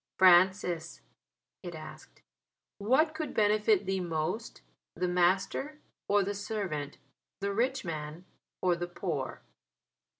"Francis," it asked, "what could benefit thee most, the master or the servant, the rich man or the poor?"